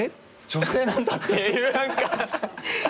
女性なんだっていう。